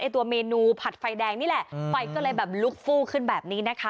ตัวเมนูผัดไฟแดงนี่แหละไฟก็เลยแบบลุกฟู้ขึ้นแบบนี้นะคะ